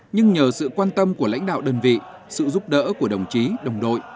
nhưng nhờ sự quan tâm của lãnh đạo đơn vị sự giúp đỡ của đồng chí đồng đội